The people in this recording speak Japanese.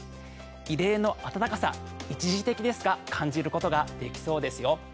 異例の暖かさ、一時的ですが感じることができそうですよ。